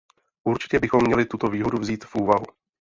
Určitě bychom měli tuto výhodu vzít v úvahu.